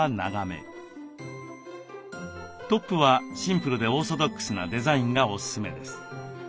トップはシンプルでオーソドックスなデザインがおすすめです。